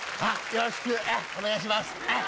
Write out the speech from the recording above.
よろしくお願いします。